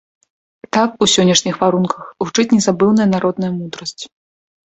Так у сённяшніх варунках гучыць незабыўная народная мудрасць.